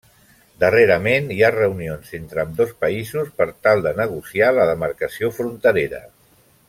Darrerament hi ha reunions entre ambdós països per tal de negociar la demarcació fronterera.